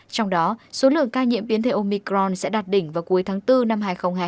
trong đó số lượng ca nhiễm biến thể omicron sẽ đạt đỉnh vào cuối tháng bốn năm hai nghìn hai mươi